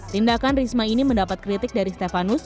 tindakan risma ini mendapat kritik dari stefanus